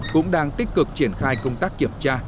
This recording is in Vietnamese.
cũng đang tích cực triển khai công tác kiểm tra